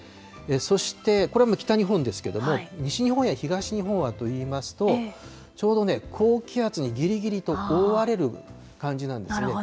そして、これも北日本ですけども、西日本や東日本はといいますと、ちょうどね、高気圧のぎりぎりと覆われる感じなんですね。